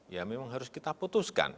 ya memang harus kita putuskan